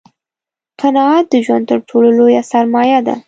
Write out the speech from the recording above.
قناعت دژوند تر ټولو لویه سرمایه ده